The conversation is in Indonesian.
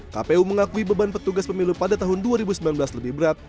kpu mengakui beban petugas pemilu pada tahun dua ribu sembilan belas lebih berat